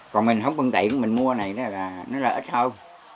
còn mình không phân tiện mình mua này nó là ít thôi